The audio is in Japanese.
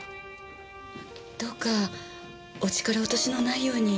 どうかお力落としのないように。